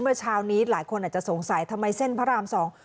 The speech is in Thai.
เมื่อเช้านี้หลายคนอาจจะสงสัยทำไมเส้นพระรามสอง